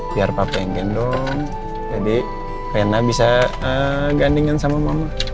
biar papa yang gendong jadi rena bisa gandingin sama mama